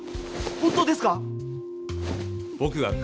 本当ですか？